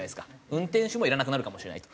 運転手もいらなくなるかもしれないと。